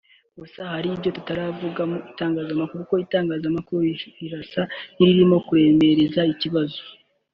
gusa hari ibyo tutaravuga mu itangazamukuru kuko itangazamakuru rirasa n’iririmo kuremereza ikibazo